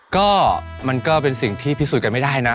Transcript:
ก็มันก็เป็นสิ่งที่พิสูจน์กันไม่ได้นะ